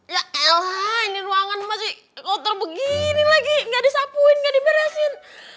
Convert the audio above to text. ya elah ini ruangan masih kotor begini lagi gak disapuin gak diberesin